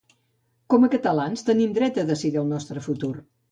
Com a catalans, tenim dret a decidir el nostre futur.